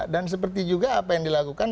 dan seperti juga apa yang dilakukan